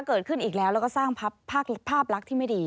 เกิดขึ้นอีกแล้วแล้วก็สร้างภาพลักษณ์ที่ไม่ดี